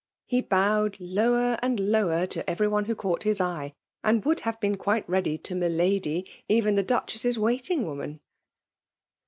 He bowed lowto and lower to ever^ ope who caught his eye ; and would have bee^ qake ready to ^ milady '* even the DucUdss^ waiting woman.